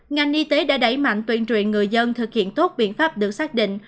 ngành y tế đã đẩy mạnh tuyên truyền người dân thực hiện tốt biện pháp được xác định